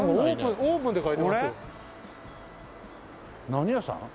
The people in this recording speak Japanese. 何屋さん？